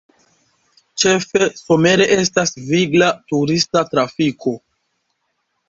Ĉefe somere estas vigla turista trafiko.